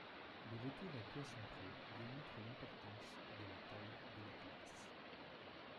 Le retour à Poissompré démontre l'importance de la taille de la glace.